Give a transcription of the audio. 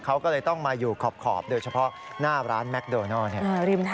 เขาก็เลยต้องมาอยู่ขอบโดยเฉพาะหน้าร้านแมคโดนัล